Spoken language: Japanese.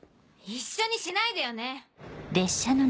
一緒にしないでよね！